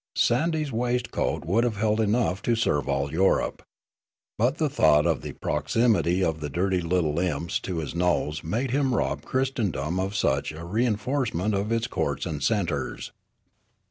Sandy's waist coat would have held enough to serve all Europe. But the thought of the proximity of the dirty little imps to his nose made him rob Christendom of such a rein forcement of its courts and centres.